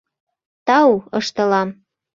— Тау, — ышталам.